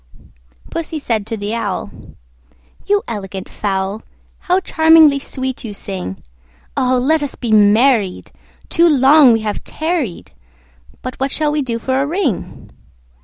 II. Pussy said to the Owl, "You elegant fowl, How charmingly sweet you sing! Oh! let us be married; too long we have tarried: But what shall we do for a ring?"